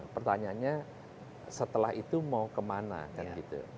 pertanyaannya setelah itu mau kemana kan gitu